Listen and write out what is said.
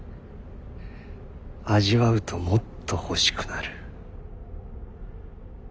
味わうともっと欲しくなる。